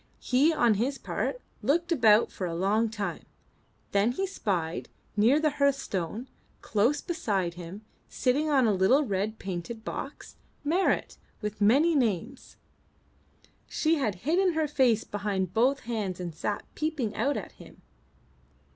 He on his part, looked about for a long time. Then he spied near the hearthstone, close beside him, sitting on a little red painted box, Marit with the many names. She had hidden her face behind both hands and sat peeping out at him.